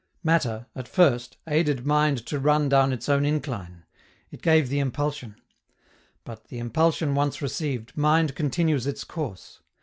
Matter, at first, aided mind to run down its own incline; it gave the impulsion. But, the impulsion once received, mind continues its course.